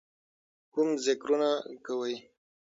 کوم ذِکرونه کوئ،